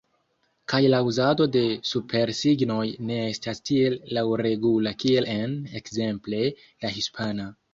Kaj la uzado de supersignoj ne estas tiel laŭregula kiel en, ekzemple, la hispana.